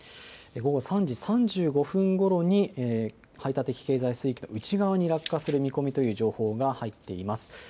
午後３時３５分ごろに排他的経済水域の内側に落下する見込みという情報が入っています。